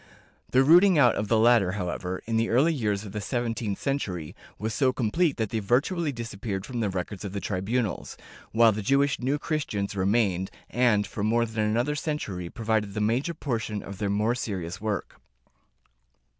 The rooting out of the latter, however, in the early years of the seventeenth century, was so complete that they virtually disappeared from the records of the tribunals, while the Jewish New Christians remained, and, for more than another century provided the major portion of their more serious work.